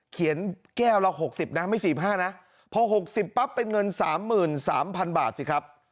แก้วละ๖๐นะไม่๔๕นะพอ๖๐ปั๊บเป็นเงิน๓๓๐๐๐บาทสิครับ